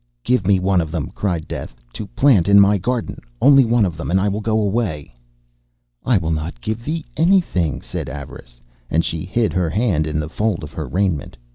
'Give me one of them,' cried Death, 'to plant in my garden; only one of them, and I will go away.' 'I will not give thee anything,' said Avarice, and she hid her hand in the fold of her raiment.